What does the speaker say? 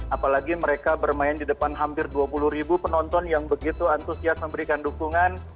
apalagi mereka bermain di depan hampir dua puluh ribu penonton yang begitu antusias memberikan dukungan